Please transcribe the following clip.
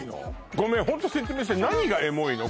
ごめんホント説明して何がエモいの？